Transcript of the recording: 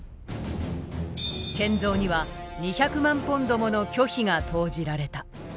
建造には２００万ポンドもの巨費が投じられた。